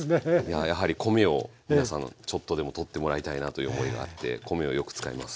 やはり米を皆さんちょっとでもとってもらいたいなという思いがあって米をよく使います。